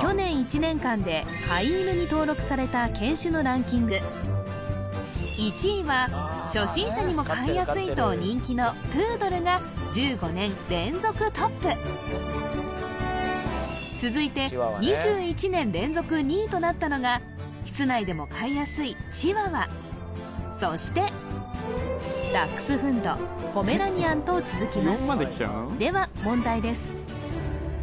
去年１年間で１位は初心者にも飼いやすいと人気のプードルが１５年連続トップ続いて２１年連続２位となったのが室内でも飼いやすいチワワそしてダックスフンドポメラニアンと続きますでは問題です